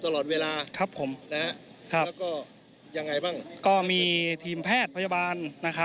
ตลอดเวลาครับผมนะครับแล้วก็ยังไงบ้างก็มีทีมแพทย์พยาบาลนะครับ